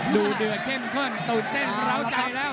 ดูเดือดเข้มข้นตื่นเต้นร้าวใจแล้ว